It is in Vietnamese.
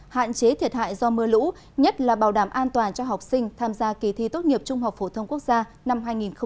hạn chế thiệt hại do mưa lũ nhất là bảo đảm an toàn cho học sinh tham gia kỳ thi tốt nghiệp trung học phổ thông quốc gia năm hai nghìn hai mươi